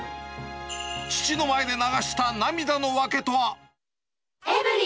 父の前で流した涙の訳とは。